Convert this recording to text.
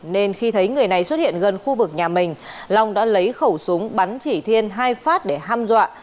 nên khi thấy người này xuất hiện gần khu vực nhà mình long đã lấy khẩu súng bắn chỉ thiên hai phát để ham dọa